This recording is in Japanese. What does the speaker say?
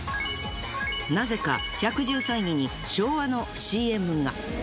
なぜか１１３位に昭和のＣＭが。